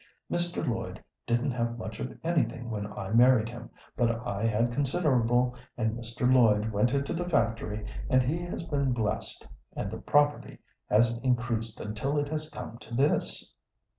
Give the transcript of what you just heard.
"Mr. Lloyd didn't have much of anything when I married him, but I had considerable, and Mr. Lloyd went into the factory, and he has been blessed, and the property has increased until it has come to this."